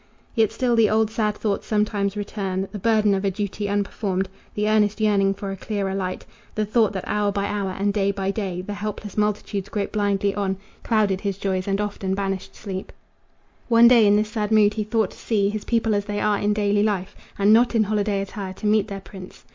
Yet still the old sad thoughts sometimes return, The burden of a duty unperformed, The earnest yearning for a clearer light. The thought that hour by hour and day by day The helpless multitudes grope blindly on, Clouded his joys and often banished sleep. One day in this sad mood he thought to see His people as they are in daily life, And not in holiday attire to meet their prince.